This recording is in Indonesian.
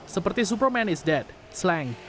seperti superman is dead slang